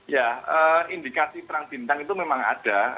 ya indikasi perang bintang itu memang ada